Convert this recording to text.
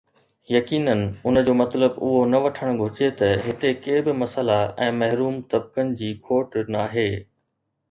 يقينن، ان جو مطلب اهو نه وٺڻ گهرجي ته هتي ڪي به مسئلا ۽ محروم طبقن جي کوٽ ناهي.